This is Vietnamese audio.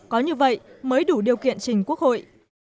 có như vậy mới đủ điều kiện trình quốc hội